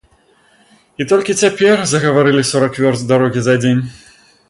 І толькі цяпер загаварылі сорак вёрст дарогі за дзень.